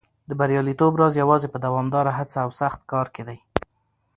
د بریالیتوب راز یوازې په دوامداره هڅه او سخت کار کې دی.